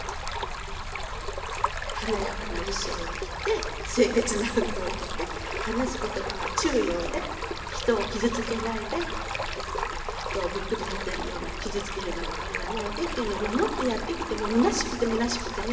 華やかな衣装を着て清潔な服を着て話す言葉は中庸で人を傷つけないで人をびっくりさせるような傷つけるようなことを言わないでというのを守ってやってきてもむなしくてむなしくてね